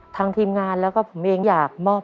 ทางทีมงานแล้วก็ผมเองอยากมอบไว้นะครับ